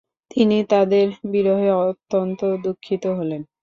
তিনি তাদের বিরহে অত্যন্ত দুঃখিত হলেন।